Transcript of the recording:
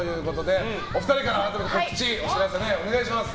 お二人からの告知、お知らせお願いします。